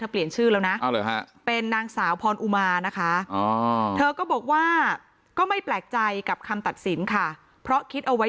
เปลี่ยนชื่อแล้วนะเป็นนางสาวพรอุมานะคะเธอก็บอกว่าก็ไม่แปลกใจกับคำตัดสินค่ะเพราะคิดเอาไว้